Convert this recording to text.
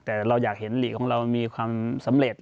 แต่เราอยากเห็นหลีกของเรามีความสำเร็จ